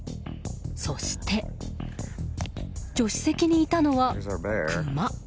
そして、助手席にいたのはクマ。